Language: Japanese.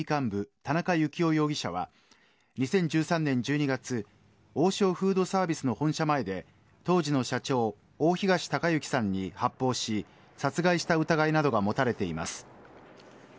特定危険指定暴力団工藤会系の組織部、田中幸雄容疑者は２０１３年１２月王将フードサービスの本社前で当時の社長大東隆行さんに発砲し殺害した疑いなどが持たれています。